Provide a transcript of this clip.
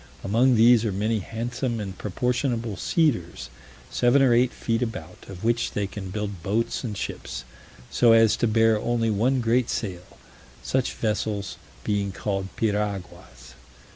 Among these are many handsome and proportionable cedars, seven or eight feet about, of which they can build boats and ships, so as to bear only one great sail; such vessels being called piraguas.